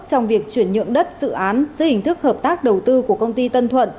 trong việc chuyển nhượng đất dự án dưới hình thức hợp tác đầu tư của công ty tân thuận